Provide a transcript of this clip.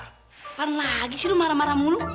lepas lagi sih lo marah marah mulu